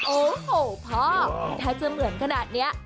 โอ้โหพ่อถ้าจะเหมือนขนาดนี้